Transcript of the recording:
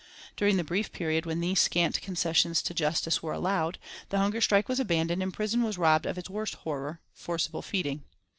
During the brief period when these scant concessions to justice were allowed, the hunger strike was abandoned and prison was robbed of its worst horror, forcible feeding.